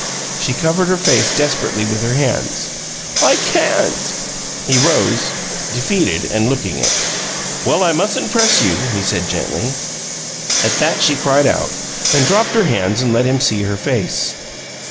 She covered her face desperately with her hands. "I can't!" He rose, defeated, and looking it. "Well, I mustn't press you," he said, gently. At that she cried out, and dropped her hands and let him see her face.